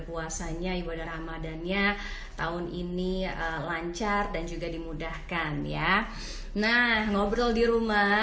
puasanya ibadah ramadhannya tahun ini lancar dan juga dimudahkan ya nah ngobrol di rumah